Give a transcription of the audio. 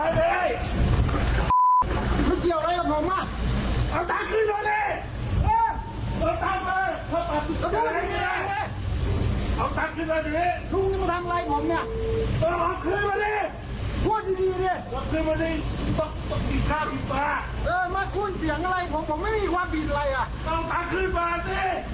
ติดการ